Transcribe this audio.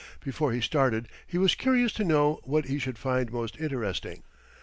Before he started he was curious to know what he should find most interesting.